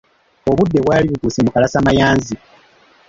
Obudde bwali butuuse mu kalasamayanzi.